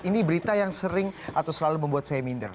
ini berita yang sering atau selalu membuat saya minder